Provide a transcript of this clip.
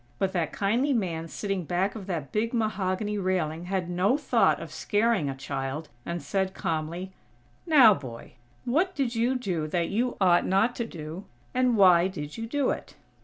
But that kindly man sitting back of that big mahogany railing had no thought of scaring a child, and said calmly: "Now, boy, what did you do that you ought not to do; and why did you do it?"